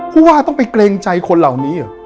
ผู้ว่าต้องไปเกรงใจคนเหล่านี้เหรอ